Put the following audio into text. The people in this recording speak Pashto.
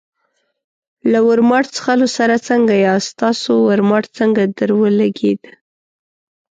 له ورماوټ څښلو سره څنګه یاست؟ ستاسو ورماوټ څنګه درولګېد؟